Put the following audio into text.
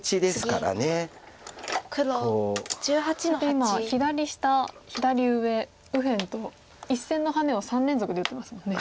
今左下左上右辺と１線のハネを３連続で打ってますもんね。